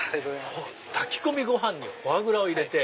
炊き込みご飯にフォアグラを入れて。